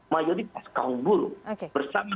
mayoritas kaum buruh bersama